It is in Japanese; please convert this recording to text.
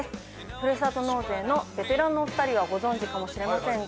ふるさと納税のベテランのお２人はご存じかもしれませんが。